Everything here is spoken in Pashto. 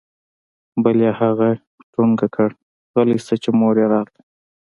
بل يې هغه ټونګه كړ غلى سه چې مور يې راغله.